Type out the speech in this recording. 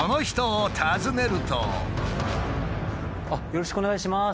よろしくお願いします。